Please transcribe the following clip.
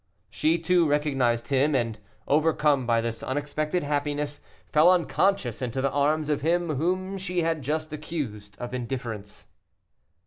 She too recognized him, and, overcome by this unexpected happiness, fell unconscious into the arms of him whom she had just accused of indifference.